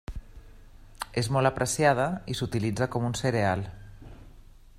És molt apreciada i s'utilitza com un cereal.